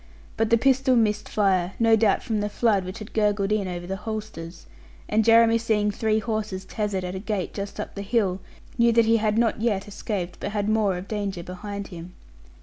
But the pistol missed fire, no doubt from the flood which had gurgled in over the holsters; and Jeremy seeing three horses tethered at a gate just up the hill, knew that he had not yet escaped, but had more of danger behind him.